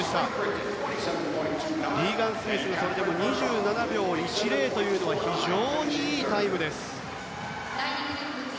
リーガン・スミスもそれでも２７秒１０というのは非常にいいタイムです。